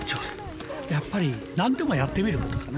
やっぱり何でもやってみることかな。